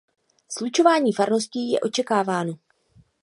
Slučování farností je očekáváno.